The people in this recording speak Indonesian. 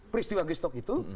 pembeli gestok itu